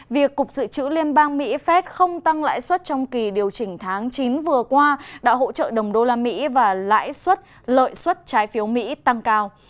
việc cục dự trữ liên bang mỹ phép không tăng lãi suất trong kỳ điều chỉnh tháng chín vừa qua đã hỗ trợ đồng đô la mỹ và lãi suất lợi suất trái phiếu mỹ tăng cao